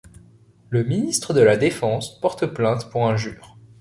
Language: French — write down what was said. Le Ministre de la Défense porte plainte pour injures.